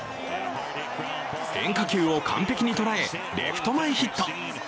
変化球を完璧にとらえレフト前ヒット。